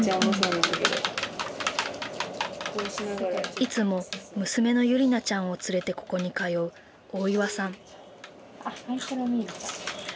いつも娘のゆりなちゃんを連れてここに通う大岩さん。